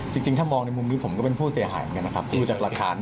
จริงถ้ามองในมุมนี้ผมก็เป็นผู้เสียหายเหมือนกันนะครับดูจากหลักฐาน